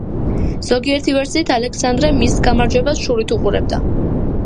ზოგიერთი ვერსიით ალექსანდრე მის გამარჯვებას შურით უყურებდა.